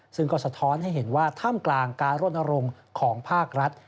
ซึ่งก็สะท้อนให้เห็นว่าท่ามกลางการรณรงค์ของภาครัฐ